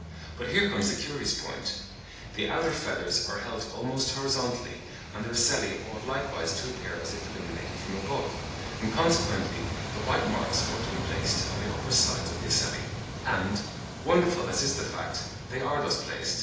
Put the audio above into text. But here comes the curious point; the outer feathers are held almost horizontally, and their ocelli ought likewise to appear as if illuminated from above, and consequently the white marks ought to be placed on the upper sides of the ocelli; and, wonderful as is the fact, they are thus placed!